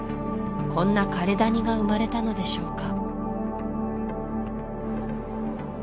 こんな枯れ谷が生まれたのでしょうか？